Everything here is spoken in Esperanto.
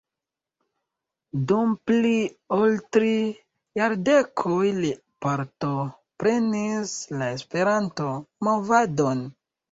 Dum pli ol tri jardekoj li partoprenis la Esperanto-movadon.